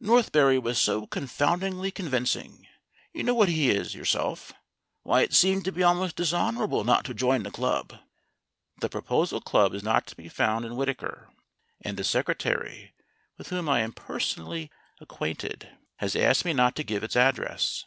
"Northberry was so confoundedly convincing. You know what he is yourself. Why, it seemed to be al most dishonorable not to join the club." The Proposal Club is not to be found in Whitaker, and the Secretary, with whom I am personally ac 73 74 STORIES WITHOUT TEARS quainted, has asked me not to give its address.